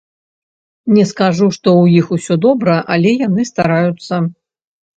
Не скажу, што ў іх усё добра, але яны стараюцца.